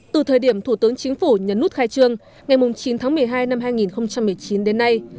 từ thời điểm thủ tướng chính phủ nhấn nút khai trương ngày chín tháng một mươi hai năm hai nghìn một mươi chín đến nay